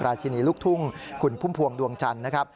ชินีลูกทุ่งคุณพุ่มพวงดวงจันทร์นะครับ